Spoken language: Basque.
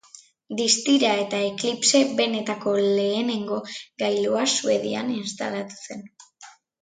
Distira eta eklipse benetako lehenengo gailua Suedian instalatu zen.